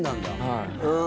はい。